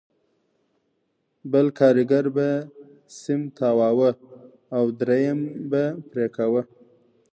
بل کارګر به سیم تاواوه او درېیم به پرې کاوه